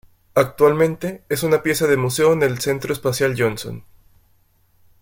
Actualmente, es una pieza de museo en el Centro Espacial Johnson.